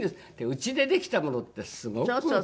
うちでできたものってすごく。